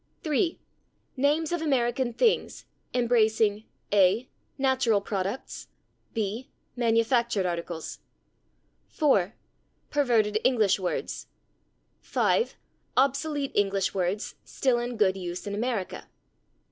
3. Names of American things, embracing: a. Natural products. b. Manufactured articles. 4. Perverted English words. 5. Obsolete English words still in good use in America.